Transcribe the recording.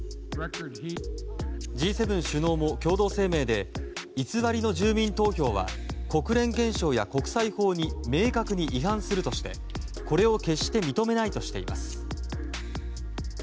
Ｇ７首脳も共同声明で偽りの住民投票は国連憲章や国際法に明確に違反するとしてこれを決して認めないとしています。